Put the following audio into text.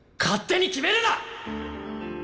勝手に決めるな！